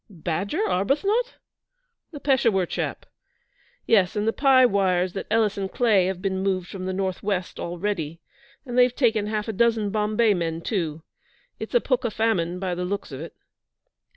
'"Badger" Arbuthnot?' 'The Peshawur chap. Yes, and the Pi wires that Ellis and Clay have been moved from the North West already, and they've taken half a dozen Bombay men, too. It's pukka famine, by the looks of it.'